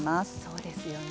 そうですよね。